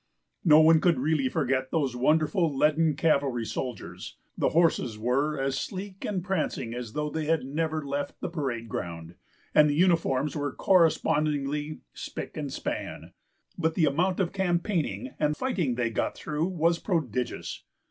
No one could really forget those wonderful leaden cavalry soldiers; the horses were as sleek and prancing as though they had never left the parade ground, and the uniforms were correspondingly spick and span, but the amount of campaigning and fighting they got through was prodigious.